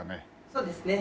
そうですね。